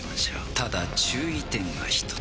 ただ注意点が一つ。